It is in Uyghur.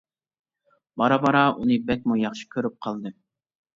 بارا-بارا ئۇنى بەكمۇ ياخشى كۆرۈپ قالدىم.